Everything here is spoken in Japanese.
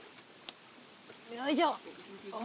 よいしょ。